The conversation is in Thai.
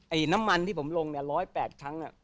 ไอน้ำมันที่ผมลงเนี่ย๑๐๘ชั้นเนี่ย